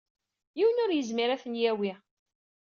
Yiwen ur yezmir ad ten-yawey.